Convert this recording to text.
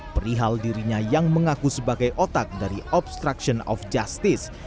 perihal dirinya yang mengaku sebagai otak dari obstruction of justice